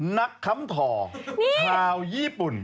นักคำถอชาวยีปุ่น